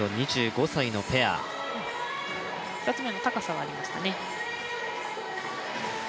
２つ目の高さはありましたね